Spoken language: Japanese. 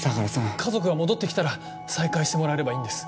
家族が戻って来たら再開してもらえればいいんです。